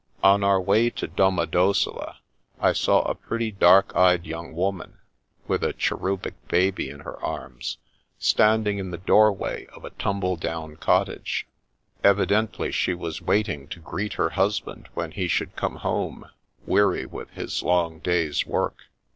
On our way to Domodossola, I saw a pretty dark eyed young woman, with a cherubic baby in her arms, standing in the doorway of a tumble down cottage. Evidently she was waiting to greet her husband when he should come home, weary with his long day's work.